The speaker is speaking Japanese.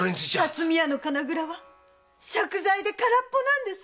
巽屋の金蔵は借財で空っぽなんです！